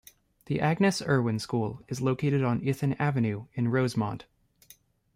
The Agnes Irwin School is located on Ithan Avenue in Rosemont.